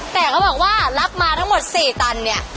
แต่เขาบอกว่ารับมาทั้งหมด๔ตันเนี่ย